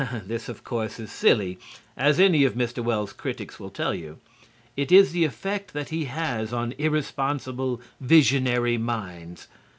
This, of course, is silly, as any of Mr. Wells's critics will tell you. It is the effect that he has on irresponsible, visionary minds.